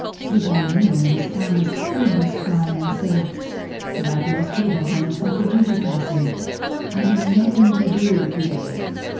The Daimio in his Palace heard this cry, and said: "That must be the Hana Saka Jijii passing. I have nothing to do to day.